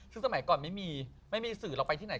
ซึ่งสมัยก่อนไม่มีไม่มีสื่อเราไปที่ไหน